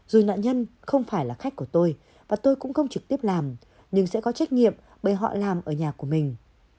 dù nạn nhân không phải là khách của tôi và tôi cũng không trực tiếp làm nhưng sẽ có trách nhiệm bởi họ làm ở nhà của mình